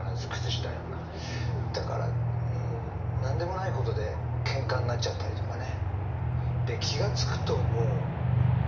だから何でもないことでけんかになっちゃったりとかね。